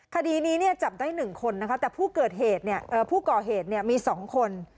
คดีนี้จับได้๑คนนะคะแต่ผู้ก่อเหตุผู้ก่อเหตุมี๒คน